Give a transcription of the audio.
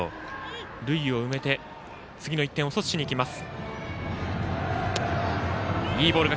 塁を埋めて次の１点を阻止しにいきます。